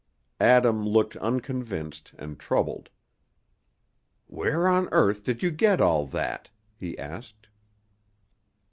Adam looked unconvinced and troubled. "Where on earth did you get all that?" he asked.